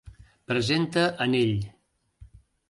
Presenta anell.